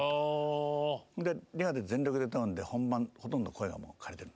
リハで全力で歌うので本番ほとんど声がかれている。